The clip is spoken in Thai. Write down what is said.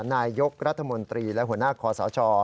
นายยกรัฐมนตรีและหัวหน้าคอสช